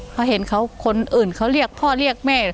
เขาเห็นเขาคนอื่นเขาเรียกพ่อเรียกแม่